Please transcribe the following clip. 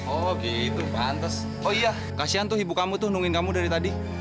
oh gitu pantas oh iya kasihan tuh ibu kamu tuh nungin kamu dari tadi